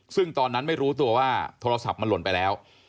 ซึ่งตอนนั้นไม่รู้ตัวว่าโทรศัพท์มันหล่นไปแล้ว